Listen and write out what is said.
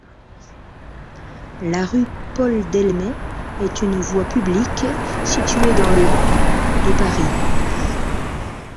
La rue Paul-Delmet est une voie publique située dans le de Paris.